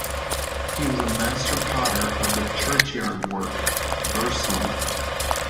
He was master potter of the Churchyard Work, Burslem.